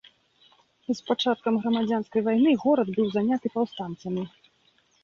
З пачаткам грамадзянскай вайны горад быў заняты паўстанцамі.